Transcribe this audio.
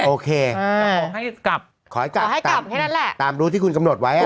โอเคแต่ขอให้กลับขอให้กลับขอให้กลับแค่นั้นแหละตามรูที่คุณกำหนดไว้อ่ะ